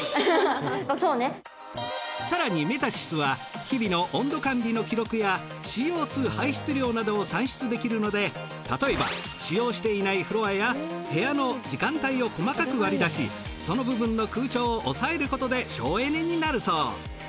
更にＭｅｔａｓｙｓは日々の温度管理の記録やＣＯ２排出量などを算出できるので例えば使用していないフロアや部屋の時間帯を細かく割り出しその部分の空調を抑えることで省エネになるそう。